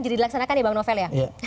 jadi dilaksanakan ya bang novel ya